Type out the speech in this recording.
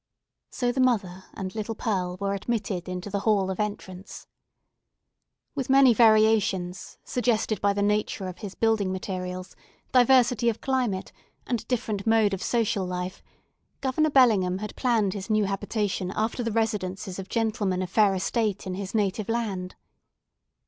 So the mother and little Pearl were admitted into the hall of entrance. With many variations, suggested by the nature of his building materials, diversity of climate, and a different mode of social life, Governor Bellingham had planned his new habitation after the residences of gentlemen of fair estate in his native land.